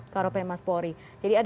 kalau pemas polri